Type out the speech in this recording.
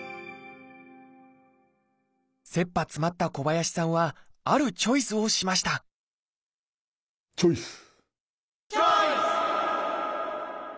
せっぱ詰まった小林さんはあるチョイスをしましたチョイス！